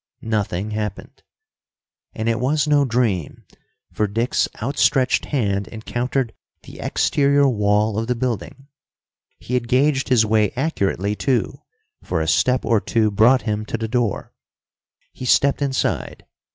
Nothing happened. And it was no dream, for Dick's outstretched hand encountered the exterior wall of the building. He had gauged his way accurately, too, for a step or two brought him to the door. He stepped inside.